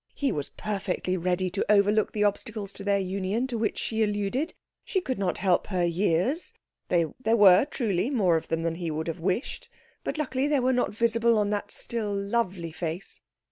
He was perfectly ready to overlook the obstacles to their union to which she alluded. She could not help her years; there were, truly, more of them than he would have wished, but luckily they were not visible on that still lovely face.